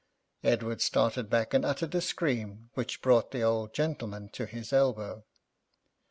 Edward started back and uttered a scream, which brought the old gentleman to his elbow.